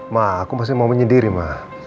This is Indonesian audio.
ma aku masih mau menyediri ma